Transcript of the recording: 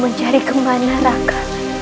mau mencari kemana raka